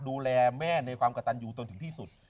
ดูแลแม่ในความกระตันยูตนถึงที่สุด